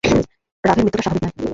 রাভির মৃত্যুটা স্বাভাবিক নয়।